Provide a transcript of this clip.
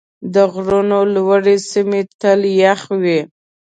د غرونو لوړې سیمې تل یخ وي.